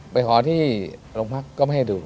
ไปขอที่โรงพักก็ไม่ให้ดู